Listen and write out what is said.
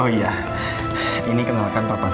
oh iya ini kenalkan papa saya pak abas